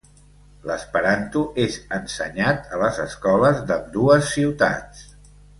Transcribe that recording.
L'esperanto és ensenyat a les escoles d'ambdues ciutats.